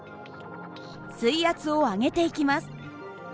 水圧を上げていきます。